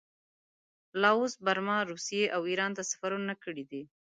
لاوس، برما، روسیې او ایران ته سفرونه کړي دي.